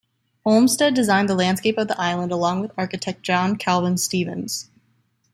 Olmsted designed the landscape of the island, along with architect John Calvin Stevens.